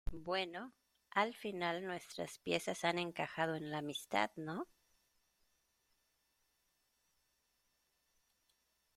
bueno, al final nuestras piezas han encajado en la amistad ,¿ no?